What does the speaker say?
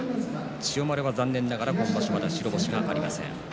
千代丸は残念ながら今場所まだ白星がありません。